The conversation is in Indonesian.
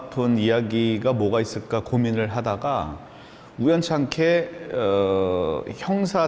dan tiba tiba saya menonton dokumentasi tentang seorang jahat